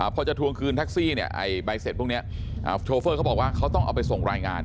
พอจะทวงคืนแท็กซี่เนี่ยใบเสร็จพวกนี้โชเฟอร์เขาบอกว่าเขาต้องเอาไปส่งรายงาน